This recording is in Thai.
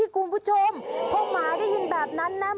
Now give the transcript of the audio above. คุณผู้ชมพวกหมาได้ยินแบบนั้นนะ